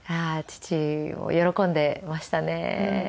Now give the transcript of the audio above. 父も喜んでいましたね。